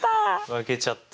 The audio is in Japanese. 負けちゃった。